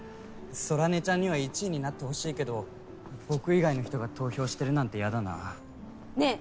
空音ちゃんには１位になってほしいけど僕以外の人が投票してるなんてやだなねぇ